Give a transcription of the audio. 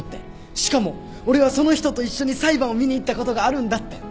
しかも俺はその人と一緒に裁判を見に行ったことがあるんだって。